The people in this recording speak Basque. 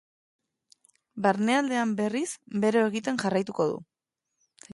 Barnealdean, berriz, bero egiten jarraituko du.